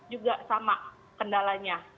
juga sama kendalanya